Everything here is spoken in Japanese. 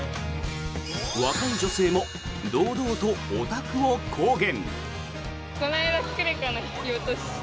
若い女性も堂々とオタクを公言。